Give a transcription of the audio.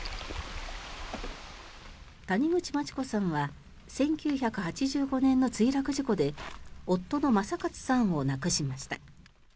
谷口真知子さんは１９８５年の墜落事故で夫の正勝さんを亡くしました。